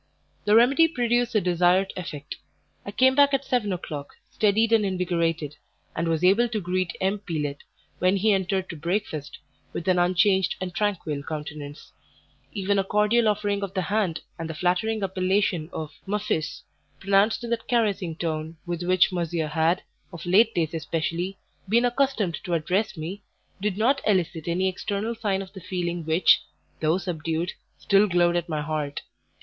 The remedy produced the desired effect. I came back at seven o'clock steadied and invigorated, and was able to greet M. Pelet, when he entered to breakfast, with an unchanged and tranquil countenance; even a cordial offering of the hand and the flattering appellation of "mon fils," pronounced in that caressing tone with which Monsieur had, of late days especially, been accustomed to address me, did not elicit any external sign of the feeling which, though subdued, still glowed at my heart.